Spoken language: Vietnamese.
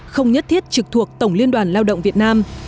không nhất thiết trực thuộc tổng liên đoàn lao động việt nam